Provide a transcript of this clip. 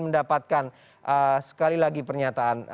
dapatkan sekali lagi pernyataan